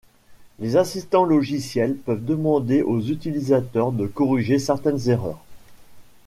Les assistants logiciels peuvent demander aux utilisateurs de corriger certaines erreurs.